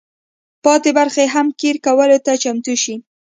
پاتې برخې هم قیر کولو ته چمتو شي.